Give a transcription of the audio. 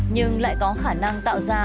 nhưng lại có khả năng tạo ra